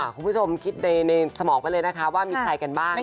คุณผู้ชมคิดในสมองไปเลยนะคะว่ามีใครกันบ้าง